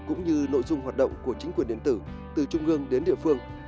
cũng như nội dung hoạt động của chính quyền điện tử từ trung ương đến địa phương